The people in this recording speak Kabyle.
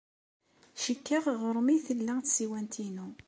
Cikkeɣ ɣer-m ay tella tsiwant-inu.